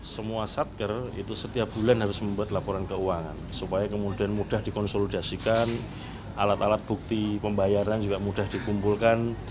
semua satker itu setiap bulan harus membuat laporan keuangan supaya kemudian mudah dikonsolidasikan alat alat bukti pembayaran juga mudah dikumpulkan